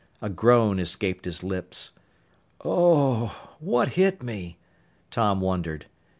A groan escaped his lips. "Oo o! What hit me?" Tom wondered.